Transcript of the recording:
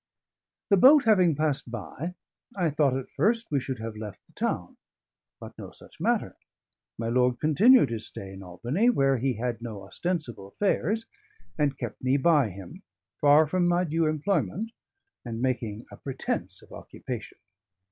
The boat having passed by, I thought at first we should have left the town. But no such matter. My lord continued his stay in Albany, where he had no ostensible affairs, and kept me by him, far from my due employment, and making a pretence of occupation.